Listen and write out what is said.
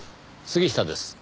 杉下です。